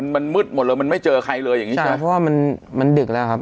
มันมืดหมดเลยมันไม่เจอใครเลยใช่เพราะว่ามันดึกแล้วครับ